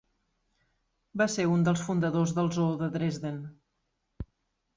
Va ser un dels fundadors del zoo de Dresden.